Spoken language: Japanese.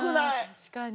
確かに。